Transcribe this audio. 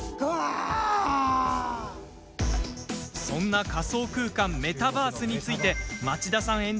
そんな仮想空間メタバースについて町田さん